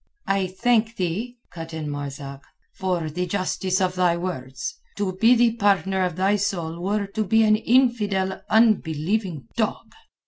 "I thank thee," cut in Marzak, "for the justice of thy words. To be the partner of thy soul were to be an infidel unbelieving dog."